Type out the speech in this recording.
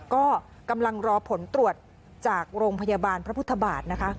ก็กำลังรอผลตรวจจากโรงพยาบาลพระพุทธบาทนะคะ